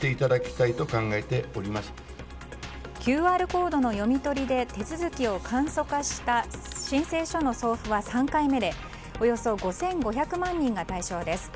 ＱＲコードの読み取りで手続きを簡素化した申請書の送付は３回目でおよそ５５００万人が対象です。